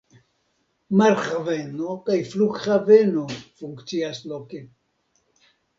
Marhaveno kaj flughaveno funkcias loke.